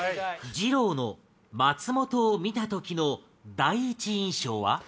二朗の松本を見た時の第一印象は？